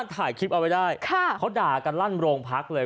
ถ่ายคลิปเอาไว้ได้เขาด่ากันลั่นโรงพักเลย